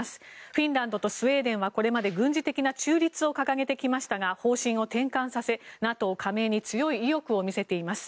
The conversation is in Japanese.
フィンランドとスウェーデンはこれまで軍事的な中立を掲げてきましたが方針を転換させＮＡＴＯ加盟に強い意欲を見せています。